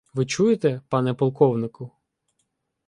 — Ви чуєте, пане полковнику?